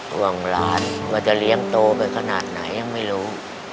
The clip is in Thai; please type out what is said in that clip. ห่วงหลานว่าจะเลี้ยงโตไปขนาดไหนยังไม่รู้